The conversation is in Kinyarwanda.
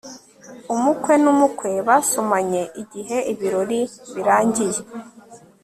Umukwe numukwe basomanye igihe ibirori birangiye